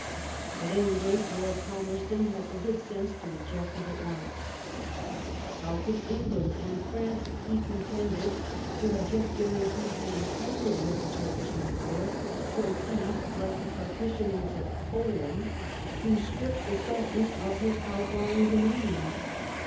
At any rate. Lord Pal merston had the good sense to reject it at once. How could England and France, he contended, who had just guaranteed the integrity of the Turkish Empire, pro ceed, like the partitioners of Poland, to strip the Sultan of his outlying dominions